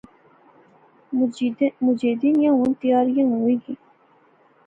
مجیدے نیاں ہن تیریاں ہوئی گیئیاں